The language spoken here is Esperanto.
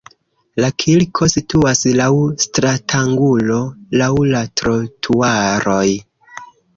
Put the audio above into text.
La kirko situas laŭ stratangulo laŭ la trotuaroj.